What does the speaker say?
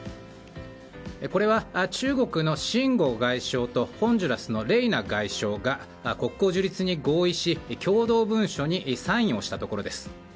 これは、中国のシン・ゴウ外相とホンジュラスのレイナ外相が国交樹立に合意し共同文書にサインしたところです。